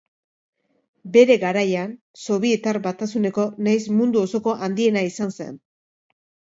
Bere garaian, Sobietar Batasuneko nahiz mundu osoko handiena izan zen.